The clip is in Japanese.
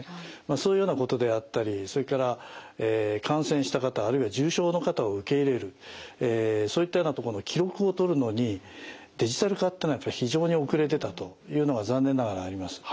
そういうようなことであったりそれから感染した方あるいは重症の方を受け入れるそういったようなとこの記録を取るのにデジタル化ってのはやっぱり非常に遅れてたというのが残念ながらあります。